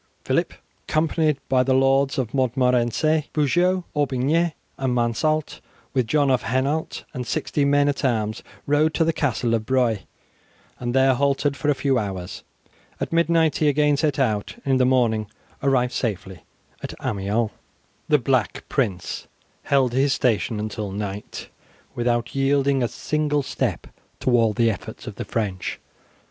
Phillip, accompanied by the lords of Montmorency, Beaujeu, Aubigny, and Mansault, with John of Hainault, and sixty men at arms, rode to the Castle of Broye, and there halted for a few hours. At midnight he again set out, and in the morning arrived safely at Amiens. The Black Prince held his station until night without yielding a single step to all the efforts of the French.